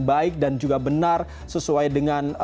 baik dan juga benar sesuai dengan